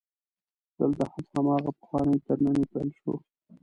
دلته هم هماغه پخوانی ترننی پیل شو.